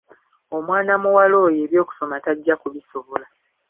Omwana muwala oyo eby’okusoma tajja kubisobola.